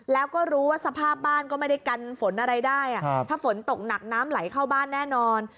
แล้วก็รู้ว่าสภาพบ้านก็ไม่ได้กันฝนอะไรได้ถ้าฝนตกหนักน้ำไหลเข้าบ้านแน่นอน